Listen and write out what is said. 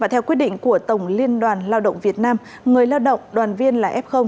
theo quyết định của tổng liên đoàn lao động việt nam người lao động đoàn viên là f